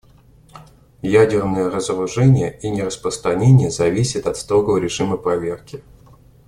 Ядерное разоружение и нераспространение зависят от строгого режима проверки.